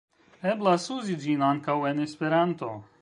Eblas uzi ĝin ankaŭ en Esperanto.